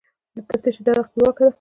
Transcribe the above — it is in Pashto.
د تفتیش اداره خپلواکه ده؟